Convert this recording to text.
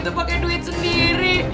barang itu pake duit sendiri